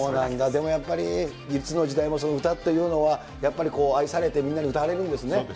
でもやっぱり、いつの時代もそう、歌って思うのは、やっぱり愛されて、みんなに歌われるんですね。